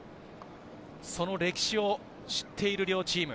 その歴史を知っている両チーム。